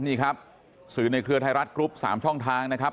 นี่ครับสื่อในเครือไทยรัฐกรุ๊ป๓ช่องทางนะครับ